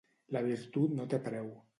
La virtut no té preu.